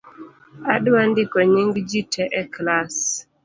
Adwa ndiko nying’ jii tee e klass